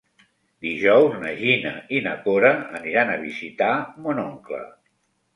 Dijous na Gina i na Cora aniran a visitar mon oncle.